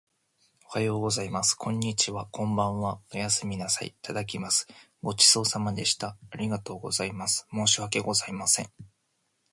おはようございます。こんにちは。こんばんは。おやすみなさい。いただきます。ごちそうさまでした。ありがとうございます。申し訳ございません。